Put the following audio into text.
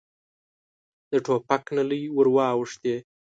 د ټوپکو نلۍ ور واوښتې.